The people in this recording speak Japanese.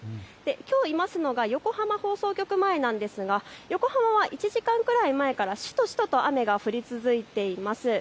きょういますのが横浜放送局前なんですが横浜は１時間くらい前からしとしとと雨が降り続いています。